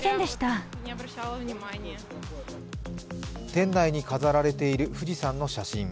店内に飾られている富士山の写真。